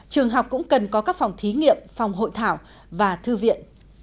trường học cũng cần có các phòng thí nghiệm phòng hội thảo và thư viện